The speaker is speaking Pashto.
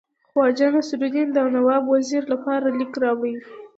خواجه نصیرالدین د نواب وزیر لپاره لیک راوړی وو.